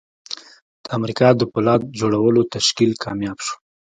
د امریکا د پولاد جوړولو تشکیل کامیاب شو